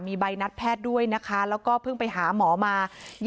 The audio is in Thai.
มีใบนัดแพทย์ด้วยนะคะแล้วก็เพิ่งไปหาหมอมา